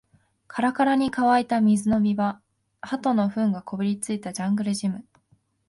カラカラに乾いた水飲み場、鳩の糞がこびりついたジャングルジム